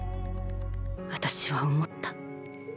私は思った。